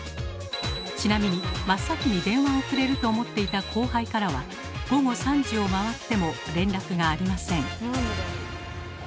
ちなみに真っ先に電話をくれると思っていた後輩からは午後３時を回っても連絡がありません。